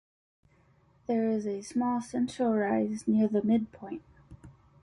There is a small central rise near the midpoint.